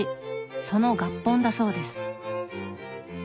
その合本だそうです。